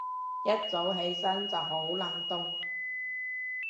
一早起身就好冷凍